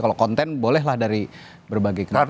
kalau konten bolehlah dari berbagai klub